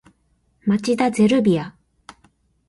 町田ゼルビア